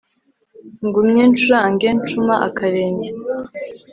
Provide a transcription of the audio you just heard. Ngumye nshurange nshuma akarenge